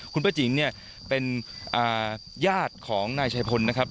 คุณป้าจิ๋งเนี่ยเป็นญาติของนายชายพลนะครับ